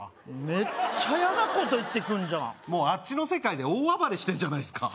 メッチャ嫌なこと言ってくんじゃんもうあっちの世界で大暴れしてんじゃないすか？